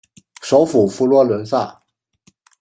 首府佛罗伦萨。